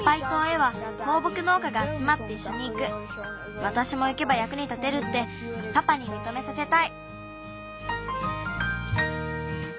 わたしもいけばやくに立てるってパパにみとめさせたい。